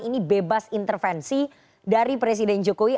ini bebas intervensi dari presiden jokowi